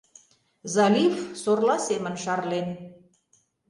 Залив сорла семын шарлен.